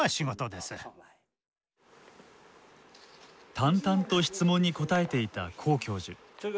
淡々と質問に答えていた黄教授。